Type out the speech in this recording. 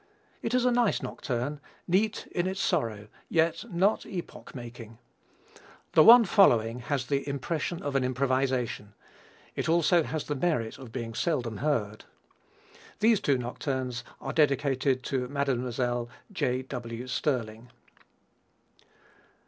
It is a nice nocturne, neat in its sorrow, yet not epoch making. The one following has "the impression of an improvisation." It has also the merit of being seldom heard. These two nocturnes are dedicated to Mlle. J. W. Stirling.